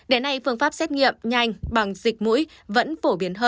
đến nay phương pháp xét nghiệm nhanh bằng dịch mũi vẫn phổ biến hơn